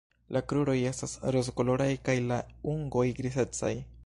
La kruroj estas rozkoloraj kaj la ungoj nigrecaj.